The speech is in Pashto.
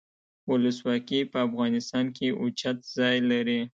ولسواکي په افغانستان کې اوچت ځای لري.